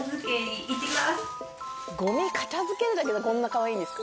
ゴミ片付けるだけでこんなかわいいんですか。